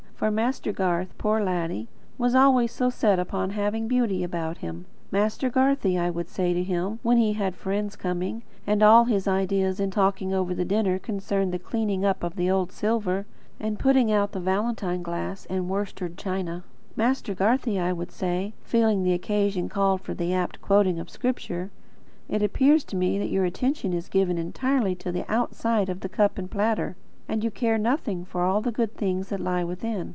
For Master Garth, poor laddie, was always so set upon having beauty about him. 'Master Garthie,' I would say to him, when he had friends coming, and all his ideas in talking over the dinner concerned the cleaning up of the old silver, and putting out of Valentine glass and Worstered china; 'Master Garthie,' I would say, feeling the occasion called for the apt quoting of Scripture, 'it appears to me your attention is given entirely to the outside of the cup and platter, and you care nothing for all the good things that lie within.'